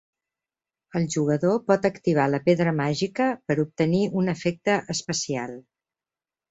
El jugador pot activar la Pedra Màgica per obtenir un efecte especial.